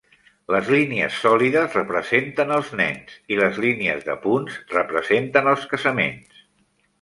Les línies sòlides representen els nens i las línies de punts representen els casaments.